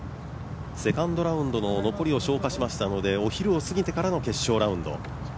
セカンドラウンドの残りを消化しましたのでお昼を過ぎてからの決勝ラウンド。